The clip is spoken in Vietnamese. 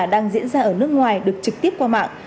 đang diễn ra ở nước ngoài được trực tiếp qua mạng